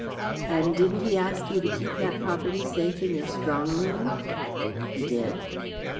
"And didn't he ask you to keep that property safe in your strong room?" "He did."